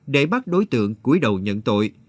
để bắt đối tượng cuối đầu nhận tội